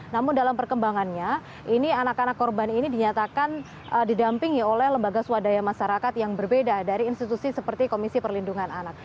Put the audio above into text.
namun dalam perkembangannya ini anak anak korban ini dinyatakan didampingi oleh lembaga swadaya masyarakat yang berbeda dari institusi seperti komisi perlindungan anak